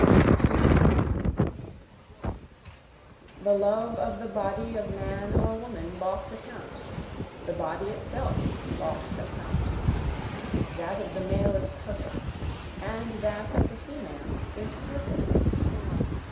2 The love of the body of man or woman balks account, the body itself balks account, That of the male is perfect, and that of the female is perfect.